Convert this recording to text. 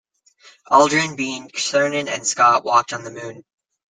Aldrin, Bean, Cernan and Scott walked on the Moon.